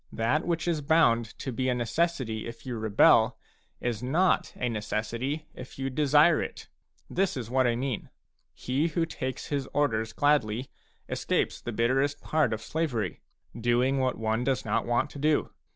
That which is bound to be a necessity if you rebel, is not a necessity if you desire it. This is what I mean : he who takes his orders gladly, escapes the bitterest part of slavery, — doing what one does not want to do.